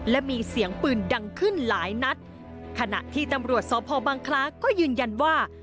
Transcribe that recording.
และมีเสียงปืนดังขึ้นหลายนัดขณะที่ตำรวจสพบังคล้าก็ยืนยันว่า